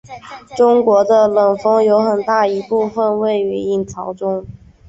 中国的冷锋有很大一部分位于隐槽中。